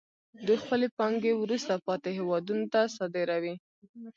دوی خپلې پانګې وروسته پاتې هېوادونو ته صادروي